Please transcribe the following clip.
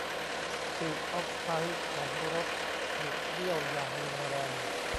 ปีกออฟไซด์ของรถถูกเบี้ยวอย่างรุนแรง